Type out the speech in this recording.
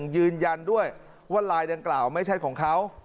ยืนยันด้วยว่าลายดังกล่าวไม่ใช่ของเขา